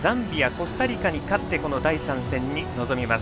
コスタリカに勝ってこの第３戦に臨みます。